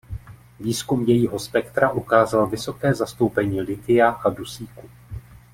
Výzkum jejího spektra ukázal vysoké zastoupení lithia a dusíku.